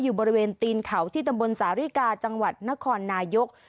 อยู่บริเวณตีนเขาที่ตำบลสาริกาจังหวัดนครนายก